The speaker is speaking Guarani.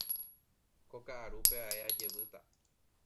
Ko ka'arúpe ae ajevýta.